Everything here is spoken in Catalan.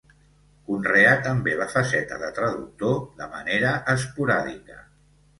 Conreà també la faceta de traductor de manera esporàdica.